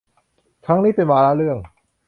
ครั้งนี้เป็นวาระเรื่อง